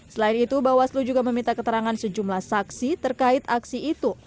selain itu bawaslu juga meminta keterangan sejumlah saksi terkait aksi itu